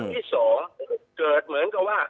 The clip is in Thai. อย่างที่๒เกิดเหมือนกันว่า